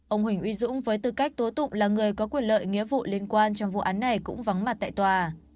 ông huỳnh uy dũng với tư cách tố tụng là người có quyền lợi nghĩa vụ liên quan trong vụ án này cũng vắng mặt tại tòa